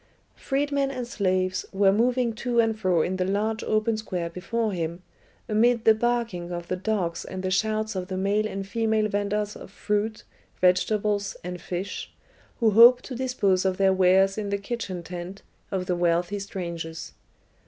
Freedmen and slaves were moving to and fro in the large open square before him, amid the barking of the dogs and the shouts of the male and female venders of fruit, vegetables, and fish, who hoped to dispose of their wares in the kitchen tent of the wealthy strangers.